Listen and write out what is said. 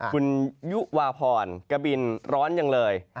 คุณยุวาพรกะบินร้อนจังเลย